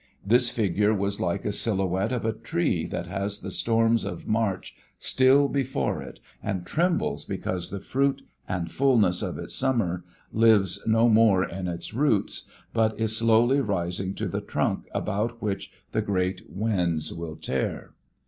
This figure was like a silhouette of a tree that has the storms of March still before it and trembles because the fruit and fulness of its summer lives no more in its roots, but is slowly rising to the trunk about which the great winds will tear.